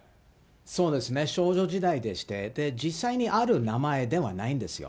そうですね、少女時代でして、実際にある名前ではないんですよ。